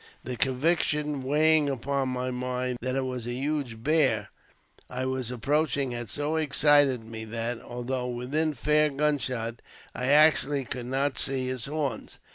The conviction weighing upon my mind that it was a huge bear I was approaching had so excited me that, although within fair gunshot, I actually could not see his horns.